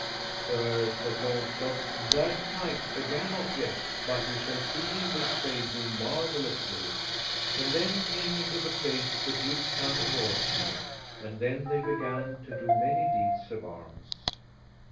Sir, said Launcelot, that knight began not yet but ye shall see him this day do marvellously. And then came into the place the duke's son of Orkney, and then they began to do many deeds of arms.